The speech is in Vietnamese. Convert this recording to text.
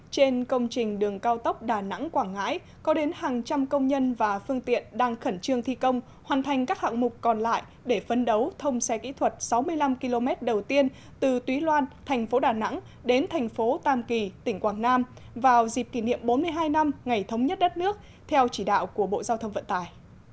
trên công trình đường cao tốc đà nẵng quảng ngãi có đến hàng trăm công nhân và phương tiện đang khẩn trương thi công hoàn thành các hạng mục còn lại để phân đấu thông xe kỹ thuật sáu mươi năm km đầu tiên từ túy loan thành phố đà nẵng đến thành phố tam kỳ tỉnh quảng nam vào dịp kỷ niệm bốn mươi hai năm ngày thống nhất đất nước theo chỉ đạo của bộ giao thông vận tài